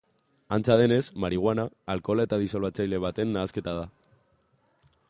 Antza denez, marihuana, alkohola eta disolbatzaile baten nahasketa da.